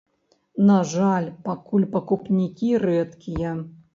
На жаль, пакуль пакупнікі рэдкія.